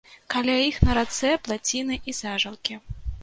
Каля іх на рацэ плаціны і сажалкі.